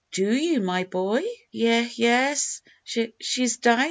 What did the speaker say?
"Do you, my boy?" "Ye yes; sh she's dyin'!"